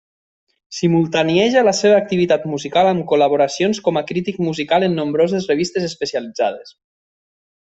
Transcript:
Simultanieja la seva activitat musical amb col·laboracions com a crític musical en nombroses revistes especialitzades.